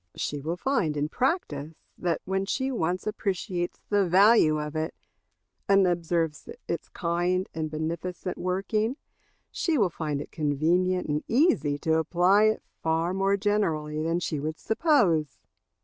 She will find in practice that when she once appreciates the value of it, and observes its kind and beneficent working, she will find it convenient and easy to apply it far more generally than she would suppose.